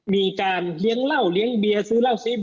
มีการเลี้ยงเหล้าเลี้ยงเบียร์ซื้อเหล้าซิบ